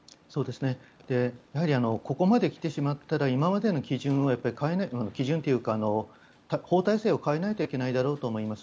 やはりここまで来てしまったら今までの基準を変えないと基準というか、法体制を変えないといけないだろうと思います。